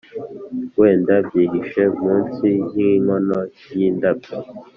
wenda byihishe munsi yinkono yindabyo.